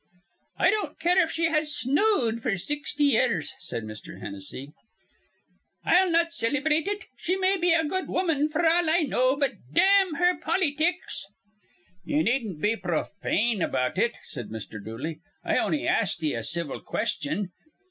"I don't care if she has snowed f'r sixty years," said Mr. Hennessy. "I'll not cillybrate it. She may be a good woman f'r all I know, but dam her pollytics." "Ye needn't be pro fane about it," said Mr. Dooley. "I on'y ast ye a civil question.